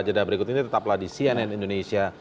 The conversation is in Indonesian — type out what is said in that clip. jadwal berikut ini tetaplah di cnn indonesia